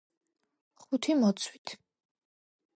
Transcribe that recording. ხუთი მოცვით.